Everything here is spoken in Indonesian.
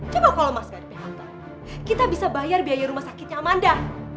coba kalau mas gak di phk kita bisa bayar biaya rumah sakitnya amanda